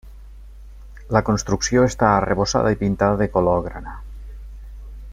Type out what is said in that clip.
La construcció està arrebossada i pintada de color grana.